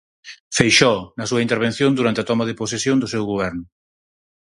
Feixóo, na súa intervención durante a toma de posesión do seu Goberno.